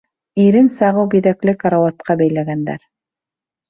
Ирен сағыу биҙәкле карауатҡа бәйләгәндәр.